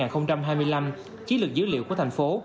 chí lực dữ liệu của thành phố